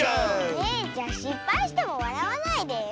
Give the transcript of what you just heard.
えじゃしっぱいしてもわらわないでよ。